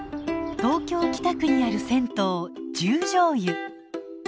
東京・北区にある銭湯十條湯。